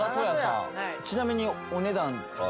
ちなみにお値段は？